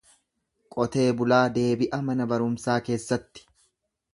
Qotee bulaa deebi'a mana barumsaa keessatti.